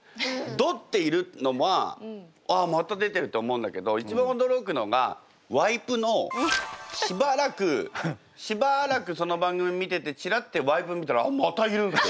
ドッているのはあまた出てるって思うんだけど一番驚くのがワイプのしばらくしばらくその番組見ててちらってワイプ見たらあっまたいるって。